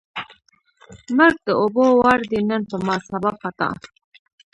مرګ د اوبو وار دی نن په ما ، سبا په تا.